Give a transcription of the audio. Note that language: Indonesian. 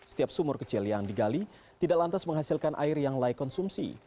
setiap sumur kecil yang digali tidak lantas menghasilkan air yang layak konsumsi